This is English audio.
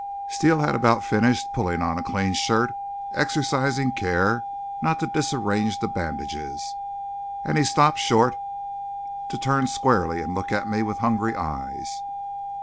Steele had about finished pulling on a clean shirt, exercising care not to disarrange the bandages; and he stopped short to turn squarely and look at me with hungry eyes.